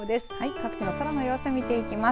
各地の空の様子を見ていきます。